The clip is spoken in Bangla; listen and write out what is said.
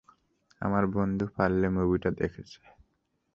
আমার বন্ধু ফার্লে মুভিটা দেখেছে।